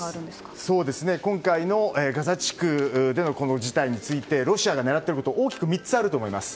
今回のガザ地区での事態についてロシアが狙っていること大きく３つあると思います。